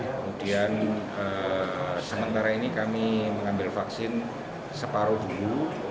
kemudian sementara ini kami mengambil vaksin separuh dulu